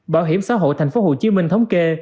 bảo hiểm xã hội tp hcm thống kê